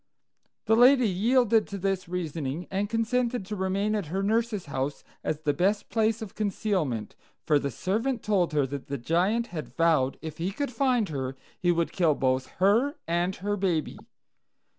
"The lady yielded to this reasoning, and consented to remain at her nurse's house as the best place of concealment; for the servant told her that the Giant had vowed, if he could find her, he would kill both her and her baby.